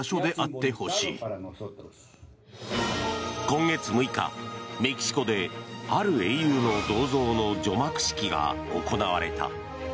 今月６日、メキシコである英雄の銅像の除幕式が行われた。